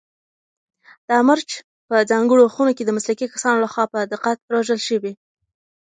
دا مرچ په ځانګړو خونو کې د مسلکي کسانو لخوا په دقت روزل شوي.